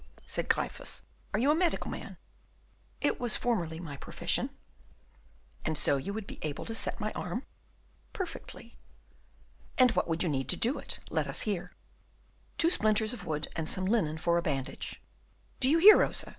said Gryphus, "are you a medical man?" "It was formerly my profession." "And so you would be able to set my arm?" "Perfectly." "And what would you need to do it? let us hear." "Two splinters of wood, and some linen for a bandage." "Do you hear, Rosa?"